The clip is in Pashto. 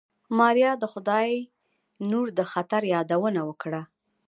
ماريا د خداينور د خطر يادونه وکړه.